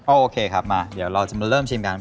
โอเคครับมาเดี๋ยวเราจะมาเริ่มชิมกัน